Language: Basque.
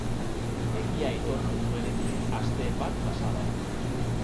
Egia aitortu zuenetik aste bat pasa da.